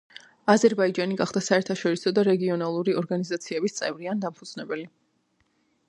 აზერბაიჯანი გახდა საერთაშორისო და რეგიონალური ორგანიზაციების წევრი ან დამფუძნებელი.